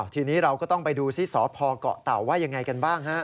ทีนี้เราก็ต้องไปดูซิสพเกาะเต่าว่ายังไงกันบ้างฮะ